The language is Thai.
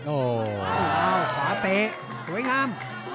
โอ้โหเอาขวาเตะสวยงาม